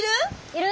いる！